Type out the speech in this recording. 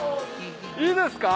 いいですか？